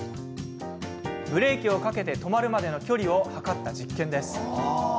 ブレーキをかけて止まるまでの距離を測った実験です。